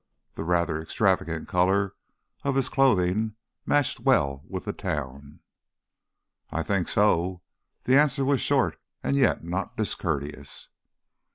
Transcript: The rather extravagant color of his clothing matched well with the town. "I think so." The answer was short and yet not discourteous.